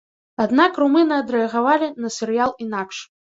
Аднак румыны адрэагавалі на серыял інакш.